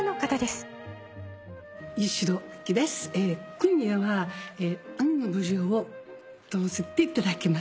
今夜は『雨の慕情』を歌わせていただきます。